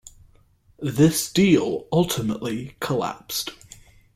This deal ultimately collapsed.